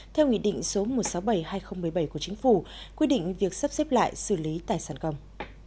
theo nghị định số một trăm sáu mươi bảy hai nghìn một mươi bảy của chính phủ quy định việc sắp xếp lại xử lý tài sản công